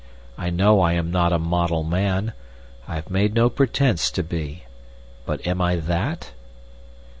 I know I am not a model man—I have made no pretence to be. But am I _that?